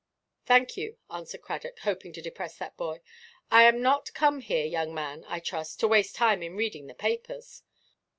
"Thank you," answered Cradock, hoping to depress that boy, "I am not come here, young man, I trust, to waste time in reading the papers."